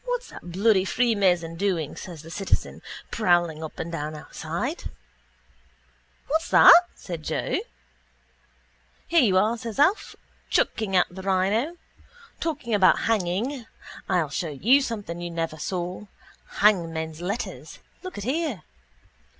—What's that bloody freemason doing, says the citizen, prowling up and down outside? —What's that? says Joe. —Here you are, says Alf, chucking out the rhino. Talking about hanging, I'll show you something you never saw. Hangmen's letters. Look at here.